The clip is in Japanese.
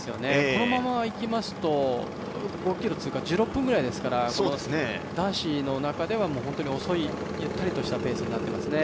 このままいきますと、５ｋｍ通過は１６分ぐらいですから男子の中では本当に遅いゆったりとしたペースになってますね。